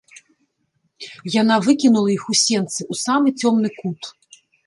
Яна выкінула іх у сенцы ў самы цёмны кут.